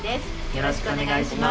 よろしくお願いします。